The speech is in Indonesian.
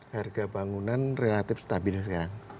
harga bangunan relatif stabil sekarang